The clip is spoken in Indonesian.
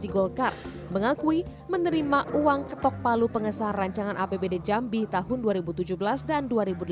golkar mengakui menerima uang ketok palu pengesahan rancangan apbd jambi tahun dua ribu tujuh belas dan dua ribu delapan belas